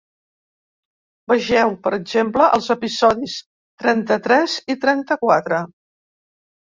Vegeu, per exemple, els episodis trenta-tres i trenta-quatre.